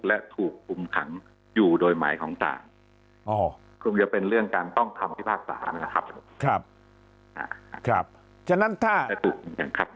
และถูกคุมขังอยู่โดยหมายของศาลคงจะเป็นเรื่องการต้องคำพิพากษานะครับ